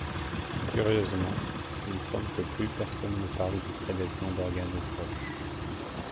Curieusement, il semble que plus personne ne parle de prélèvement d’organes aux proches.